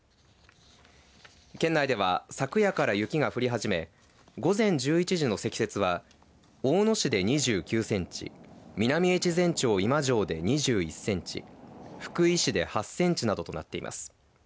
県内では、昨夜から雪が降り始め午前１１時の積雪は大野市で２９センチ南越前町今庄で２１センチ福井市で８センチなどとなっています。